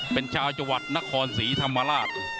เป็นชาวจังหวัดนครศรีธรรมราช